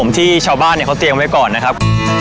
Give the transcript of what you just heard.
ที่เช้าบ้านเตียงไว้ก่อนครับ